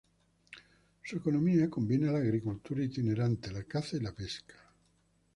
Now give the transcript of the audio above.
Su economía combina la agricultura itinerante, la caza y la pesca.